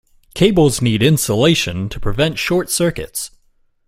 Cables need insulation to prevent short circuits.